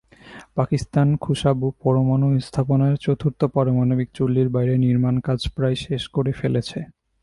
পাকিস্তান খুশাব পরমাণু স্থাপনায় চতুর্থ পারমাণবিক চুল্লির বাইরের নির্মাণকাজ প্রায় শেষ করে ফেলেছে।